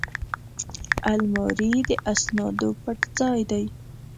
الماري د اسنادو پټ ځای دی